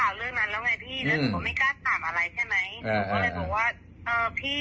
มีพี่หน่อยที่ไม่ได้ไปบัตรประชาชนนะเขาไว้อย่างนี้